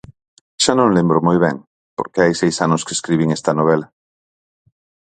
Xa non lembro moi ben, porque hai seis anos que escribín esta novela.